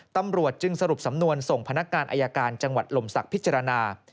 ตำรวจจึงสรุปสำนวนส่งพนักงานอายการจังหวัดลมศักดิ์พิจารณา